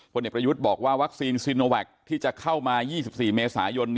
เด็กประยุทธ์บอกว่าวัคซีนซีโนแวคที่จะเข้ามา๒๔เมษายน